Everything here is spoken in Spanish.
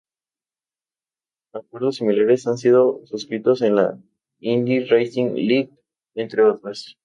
Acuerdos similares han sido suscritos con la Indy Racing League, entre otras.